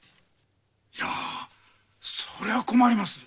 いやぁそれは困ります。